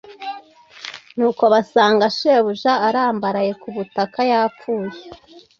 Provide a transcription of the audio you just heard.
nuko basanga shebuja arambaraye ku butaka, yapfuye